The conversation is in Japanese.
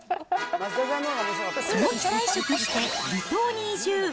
早期退職して離島に移住。